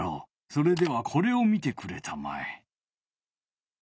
それではこれを見てくれたまえ。